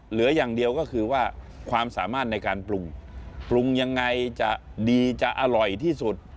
เหลืออย่างเดียวก็คือว่าความสามารถในการปรุงปรุงยังไงจะดีจะอร่อยที่สุด